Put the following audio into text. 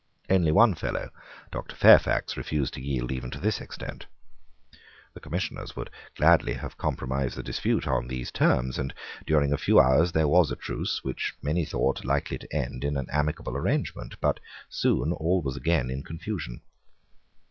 Only one Fellow, Doctor Fairfax, refused to yield even to this extent. The Commissioners would gladly have compromised the dispute on these terms; and during a few hours there was a truce which many thought likely to end in an amicable arrangement: but soon all was again in confusion.